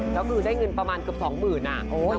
แล้วคือได้เงินประมาณเกือบสองหมื่นนะ